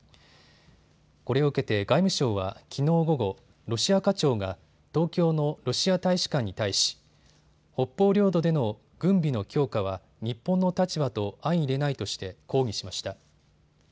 これを受けて外務省はきのう午後、ロシア課長が東京のロシア大使館に対し北方領土での軍備の強化は日本の立場と相いれないとして抗議しました。